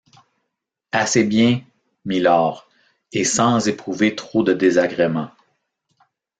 Assez bien, mylord, et sans éprouver trop de désagréments.